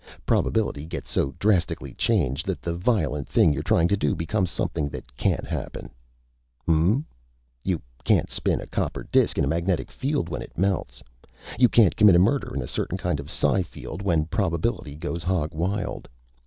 Probability gets so drastically changed that the violent thing you're trying to do becomes something that can't happen. Hm m m. ... You can't spin a copper disk in a magnetic field when it melts. You can't commit a murder in a certain kind of psi field when probability goes hog wild.